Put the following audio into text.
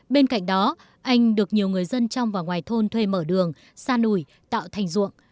bên cạnh đó anh được nhiều người dân trong và ngoài thôn thuê mở đường sa nùi tạo thành ruộng